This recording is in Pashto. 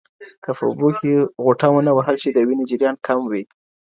که په اوبو کې غوټه ونه وهل شي، د وینې جریان کم وي.